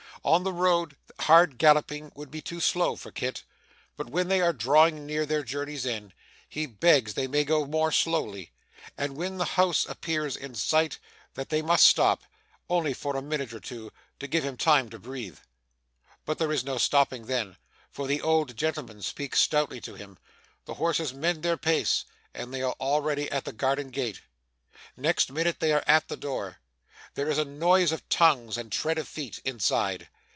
On the road, hard galloping would be too slow for Kit; but, when they are drawing near their journey's end, he begs they may go more slowly, and, when the house appears in sight, that they may stop only for a minute or two, to give him time to breathe. But there is no stopping then, for the old gentleman speaks stoutly to him, the horses mend their pace, and they are already at the garden gate. Next minute, they are at the door. There is a noise of tongues, and tread of feet, inside.